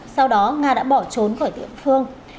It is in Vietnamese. sau đó nga đã bỏ trốn khỏi tiệm phương